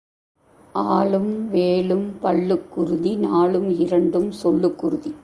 ஆலும் வேலும் பல்லுக்குறுதி, நாலும் இரண்டும் சொல்லுக்குறுதி.